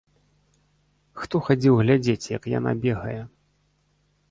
Хто хадзіў глядзець, як яна бегае?